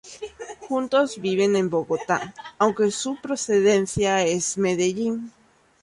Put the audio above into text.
Juntos viven en Bogotá, aunque su procedencia es Medellín.